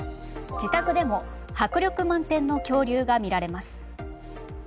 自宅でも迫力満点の恐竜が見られます。